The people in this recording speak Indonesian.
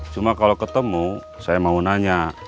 cuma kalau ketemu saya mau nanya